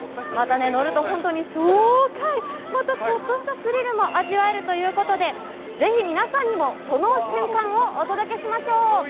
また乗ると本当に爽快、またちょっとしたスリルも味わえるということで、ぜひ皆さんにも、その瞬間をお届けしましょう。